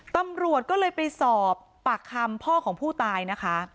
ตำรวจก็เลยไปสอบปากคำพ่อของผู้ตายนะคะ